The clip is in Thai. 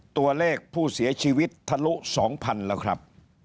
ตัวเลขผู้เสียชีวิตทะลุ๒๐๐๐แล้วครับ